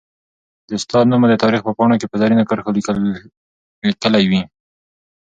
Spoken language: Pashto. د استاد نوم به د تاریخ په پاڼو کي په زرینو کرښو ليکلی وي.